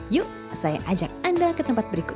yuk saya ajak anda ke tempat berikut